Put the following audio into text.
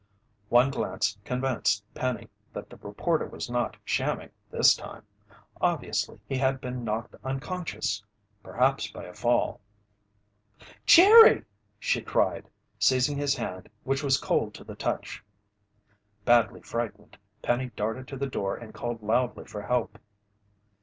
One glance convinced Penny that the reporter was not shamming this time. Obviously, he had been knocked unconscious, perhaps by a fall. "Jerry!" she cried, seizing his hand which was cold to the touch. Badly frightened, Penny darted to the door and called loudly for help.